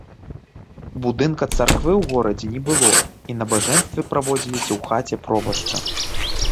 Будынка царквы ў горадзе не было і набажэнствы праводзіліся ў хаце пробашча.